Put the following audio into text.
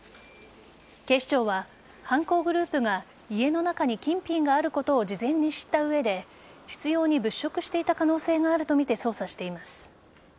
警視庁は、犯行グループが家の中に金品があることを事前に知った上で執拗に物色していた可能性があるとみて捜査しています。